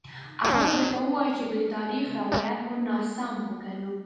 هغه به درته ووايي چې د تاریخ روایت به ناسم وګڼو.